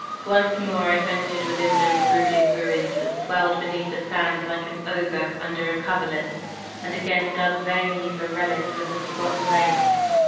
Once more I ventured within those brooding ruins that swelled beneath the sand like an ogre under a coverlet, and again dug vainly for relics of the forgotten race.